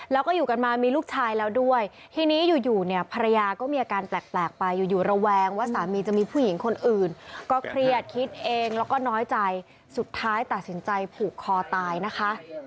แล้วก็อยู่กันมามีลูกชายแล้วด้วยทีนี้อยู่เนี่ยภรรยาก็มีอาการแปลกไปอยู่อยู่ระแวงว่าสามีจะมีผู้หญิงคนอื่นก็เครียดคิดเองแล้วก็น้อยใจสุดท้ายตัดสินใจผูกคอตายนะคะ